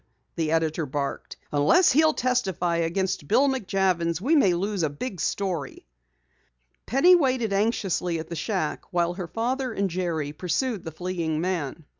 the editor barked. "Unless he'll testify against Bill McJavins we may lose a big story!" Penny waited anxiously at the shack while her father and Jerry pursued the fleeing man.